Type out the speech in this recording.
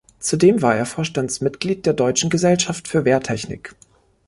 Zudem war er Vorstandsmitglied der Deutschen Gesellschaft für Wehrtechnik.